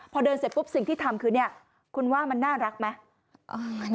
พอเดินเสร็จปุ๊บสิ่งที่ทำคือเนี่ยคุณว่ามันน่ารักไหม